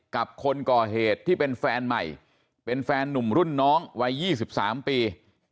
กับคนก่อเหตุที่เป็นแฟนใหม่เป็นแฟนหนุ่มรุ่นน้องวัย๒๓ปี